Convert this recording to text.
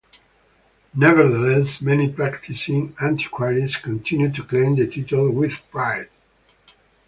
Nevertheless, many practising antiquaries continue to claim the title with pride.